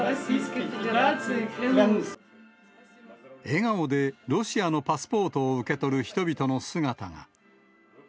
笑顔でロシアのパスポートを受け取る人々の姿が。